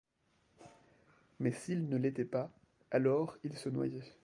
Mais s'il ne l'était pas, alors il se noyait.